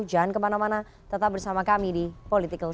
jangan kemana mana tetap bersama kami di political sho